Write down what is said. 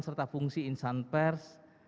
serta fungsi insan pers